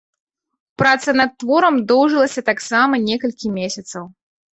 Праца над творам доўжылася таксама некалькі месяцаў.